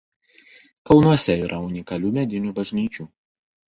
Kalnuose yra unikalių medinių bažnyčių.